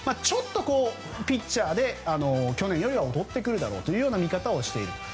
ちょっとピッチャーで去年よりは劣ってくるという見方をしている。